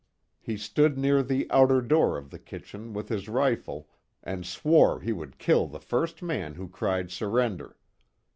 He stood near the outer door of the kitchen, with his rifle, and swore he would kill the first man who cried surrender.